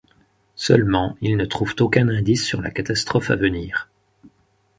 Seulement, ils ne trouvent aucun indice sur la catastrophe à venir...